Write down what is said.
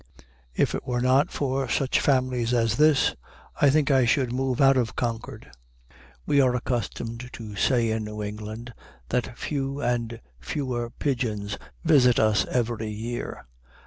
If it were not for such families as this, I think I should move out of Concord. We are accustomed to say in New England that few and fewer pigeons visit us every year.